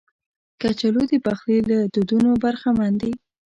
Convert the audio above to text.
کچالو د پخلي له دودونو برخمن دي